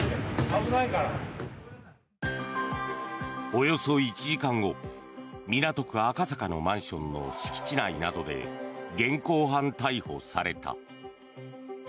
およそ１時間後港区赤坂のマンションの敷地内などで現行犯逮捕された。